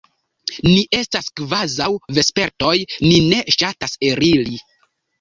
Ni estas kvazaŭ vespertoj: ni ne ŝatas eliri.